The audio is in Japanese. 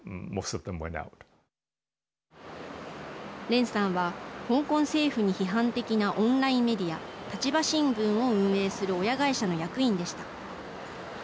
練さんは香港政府に批判的なオンラインメディア立場新聞を運営する親会社の役員でした。